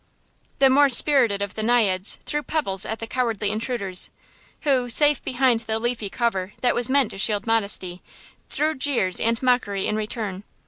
The more spirited of the naiads threw pebbles at the cowardly intruders, who, safe behind the leafy cover that was meant to shield modesty, threw jeers and mockery in return.